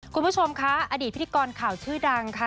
คุณผู้ชมคะอดีตพิธีกรข่าวชื่อดังค่ะ